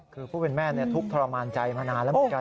คือผู้เป็นแม่ทุกข์ทรมานใจมานานแล้วเหมือนกัน